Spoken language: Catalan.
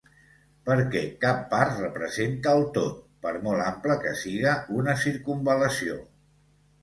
Perquè cap part representa el tot, per molt ampla que siga una circumval·lació.